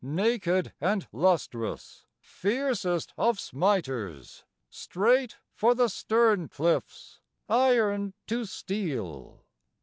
Naked and lustrous, Fiercest of smiters, Straight for the stern cliffs, Iron to steel!